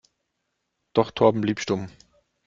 Doch Torben blieb stumm.